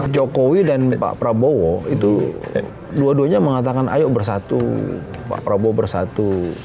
jokowi dan pak prabowo itu dua duanya mengatakan ayo bersatu pak prabowo bersatu